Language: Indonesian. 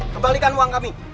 kebalikan uang kami